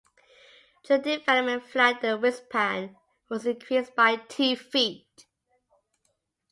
During development flying the wingspan was increased by two feet.